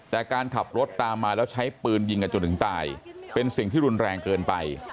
แต่การขับรถตามมาแล้วใช้ปืนยิงกันจนถึงตายเป็นสิ่งที่รุนแรงเกินไป